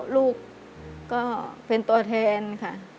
ลูกก็เป็นตัวแทนค่ะ